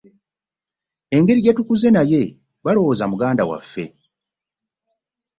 Engeri gye tukuze naye balowooza muganda waffe.